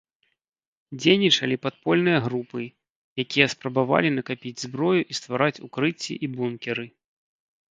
Дзейнічалі падпольныя групы, якія спрабавалі накапіць зброю і ствараць укрыцці і бункеры.